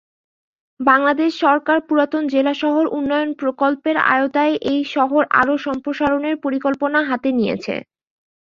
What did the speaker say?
বাংলাদেশ সরকার পুরাতন জেলা শহর উন্নয়ন প্রকল্পের আওতায় এই শহরকে আরও সম্প্রসারণের পরিকল্পনা হাতে নিয়েছে।